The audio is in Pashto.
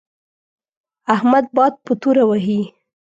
احمد باد په توره وهي.